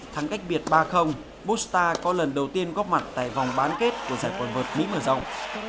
thắng cách biệt ba busta có lần đầu tiên góp mặt tại vòng bán kết của giải quần vợt mỹ mở rộng